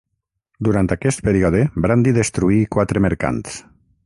Durant aquest període Brandi destruí quatre mercants.